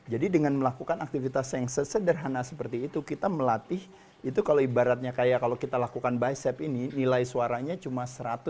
jadi dengan melakukan aktivitas yang sederhana seperti itu kita melatih itu kalau ibaratnya kayak kalau kita lakukan bicep ini nilai suaranya cuma satu ratus sepuluh